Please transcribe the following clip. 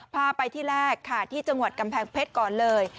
พาไปที่แรกค่ะที่จังหวัดกำแพงเพชรก่อนเลย